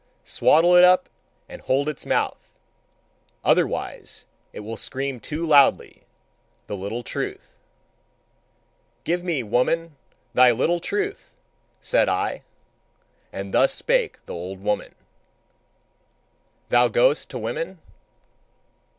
Swaddle it up and hold its mouth: otherwise it will scream too loudly, the little truth." "Give me, woman, thy little truth!" said I. And thus spake the old woman: "Thou goest to women?